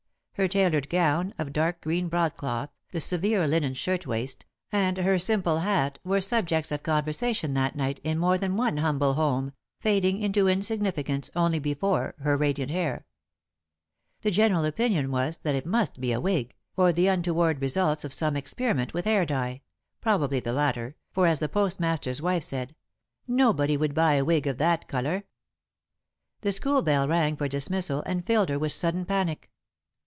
Her tailored gown, of dark green broadcloth, the severe linen shirtwaist, and her simple hat, were subjects of conversation that night in more than one humble home, fading into insignificance only before her radiant hair. The general opinion was that it must be a wig, or the untoward results of some experiment with hair dye, probably the latter, for, as the postmaster's wife said, "nobody would buy a wig of that colour." The school bell rang for dismissal, and filled her with sudden panic.